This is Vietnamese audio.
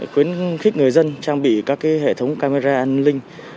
khuyến khích người dân trang bị các hệ thống camera an ninh